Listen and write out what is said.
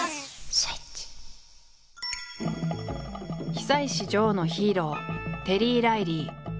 久石譲のヒーローテリー・ライリー。